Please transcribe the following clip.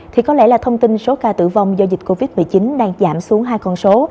thì có lẽ là thông tin số ca tử vong do dịch covid một mươi chín đang giảm xuống hai con số